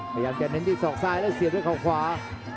พยายามจะเน้นที่ศอกซ้ายและเสียบด้วยเขาขวา